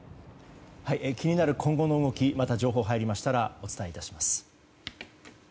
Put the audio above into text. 気になる今後の動きまた情報が入りましたらお伝えします。